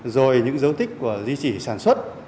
rồi những dấu tích của di chỉ sản xuất